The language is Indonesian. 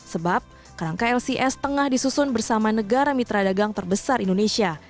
sebab kerangka lcs tengah disusun bersama negara mitra dagang terbesar indonesia